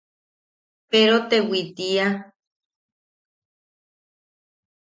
Perotewi tiia.